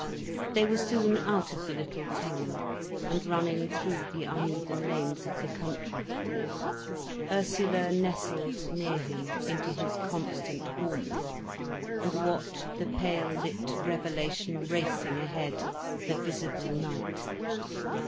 They were soon out of the little town, and running through the uneven lanes of the country. Ursula nestled near him, into his constant warmth, and watched the pale lit revelation racing ahead, the visible night.